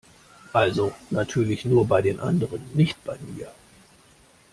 Also natürlich nur bei den anderen, nicht bei mir!